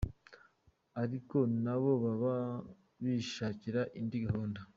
ariko na bo baba bishakira indi gahunda.